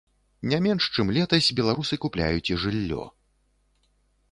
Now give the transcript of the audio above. Не менш, чым летась, беларусы купляюць і жыллё.